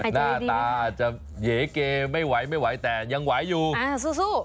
หน้าตาอาจจะเหยเกไม่ไหวไม่ไหวแต่ยังไหวอยู่สู้